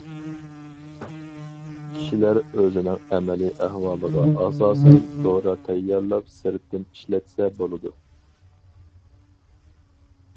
كىشىلەر ئۆزىنىڭ ئەمەلىي ئەھۋالىغا ئاساسەن، دورا تەييارلاپ سىرتتىن ئىشلەتسە بولىدۇ.